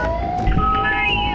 ☎☎怖いよ。